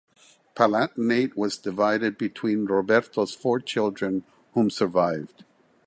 Palatinate was divided between Roberto’s four children whom survived.